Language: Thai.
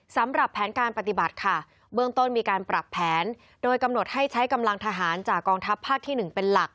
สำหรับแผนการปฏิบัติค่ะเบื้องต้นมีการปรับแผนโดยกำหนดให้ใช้กำลังทหารจากกองทัพภาคที่๑เป็นหลัก